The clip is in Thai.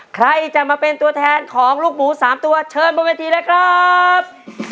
ใครจะมาเป็นตัวแทนของลูกหมู๓ตัวเชิญบนเวทีเลยครับ